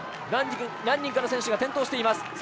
何人かの選手が転倒しています。